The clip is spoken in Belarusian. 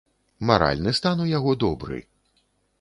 Маральны стан у яго добры.